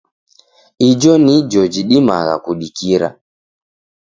Ijo nijo jidimagha kudikira.